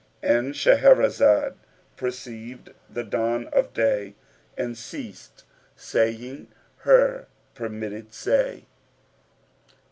—And Shahrazad perceived the dawn of day and ceased saying her permitted say.